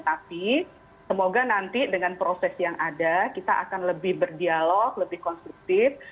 tapi semoga nanti dengan proses yang ada kita akan lebih berdialog lebih konstruktif